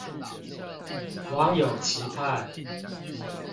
網友期盼